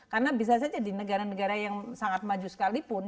karena bisa saja di negara negara yang sangat maju sekalipun